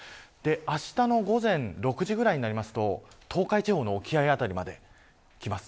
あしたの午前６時ぐらいになると東海地方の沖合辺りまで来ます。